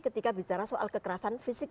ketika bicara soal kekerasan fisik